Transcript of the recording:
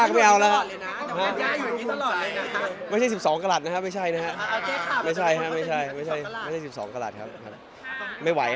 เขากลับต่อจากงานหรือเนี่ย